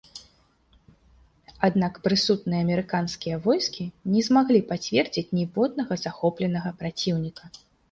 Аднак прысутныя амерыканскія войскі не змаглі пацвердзіць ніводнага захопленага праціўніка.